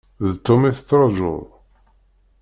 D Tom i tettrajuḍ?